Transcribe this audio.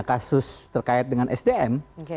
kasus terkait dengan sdm